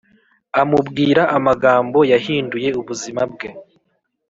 amubwira amagambo yahinduye ubuzima bwe